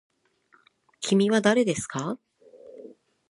きみはだれですか。